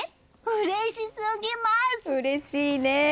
うれしいね。